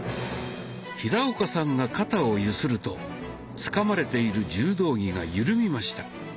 平岡さんが肩を揺するとつかまれている柔道着が緩みました。